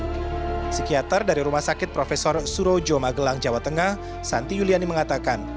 psikiater dari rumah sakit prof surojo magelang jawa tengah santi yuliani mengatakan